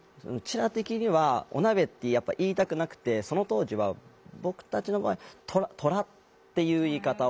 ら的にはオナベってやっぱ言いたくなくてその当時は僕たちの場合トラっていう言い方を。